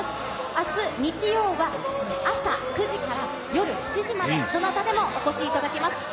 あす日曜は朝９時から夜７時まで、どなたでもお越しいただけます。